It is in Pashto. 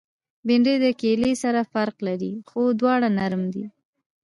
بېنډۍ له کیلې سره فرق لري، خو دواړه نرم دي